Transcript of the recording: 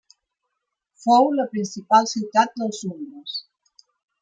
Fou la principal ciutat dels umbres.